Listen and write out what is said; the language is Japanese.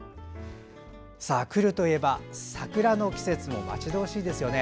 来るといえば、桜の季節も待ち遠しいですよね。